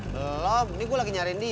belom ini gua lagi nyariin dia